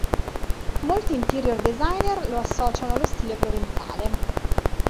Molti interior designer lo associano allo stile provenzale.